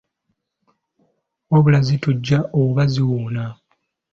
Wabula zitujja oba ziwuuna.